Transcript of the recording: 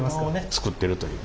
作ってるという。